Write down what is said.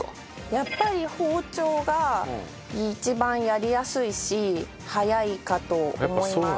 やっぱり包丁が一番やりやすいし早いかと思います。